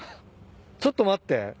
ちょっと待って。